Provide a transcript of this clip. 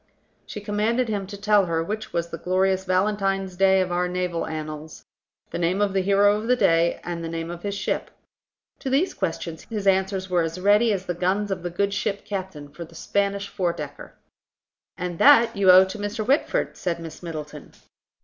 She commanded him to tell her which was the glorious Valentine's day of our naval annals; the name of the hero of the day, and the name of his ship. To these questions his answers were as ready as the guns of the good ship Captain, for the Spanish four decker. "And that you owe to Mr. Whitford," said Miss Middleton.